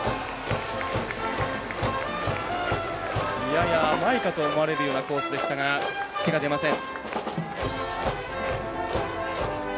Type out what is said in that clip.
やや甘いかと思われるようなコースでしたが手が出ません。